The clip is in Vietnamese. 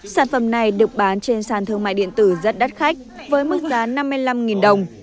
sản phẩm này được bán trên sàn thương mại điện tử rất đắt khách với mức giá năm mươi năm đồng